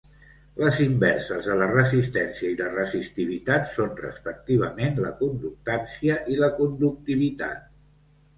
Les inverses de la resistència i la resistivitat són, respectivament, la conductància i la conductivitat.